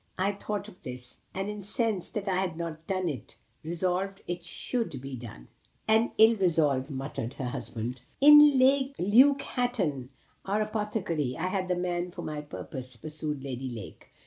I thought of this and incensed that I had not done it, resolved it should be done." "An ill resolve!" muttered her husband. "In Luke Hatton, our apothecary, I had the man for my purpose," pursued Lady Lake.